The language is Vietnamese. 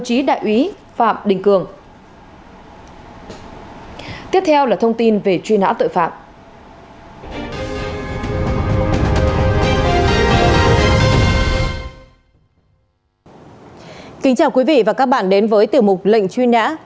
kính chào quý vị và các bạn đến với tiểu mục lệnh truy nã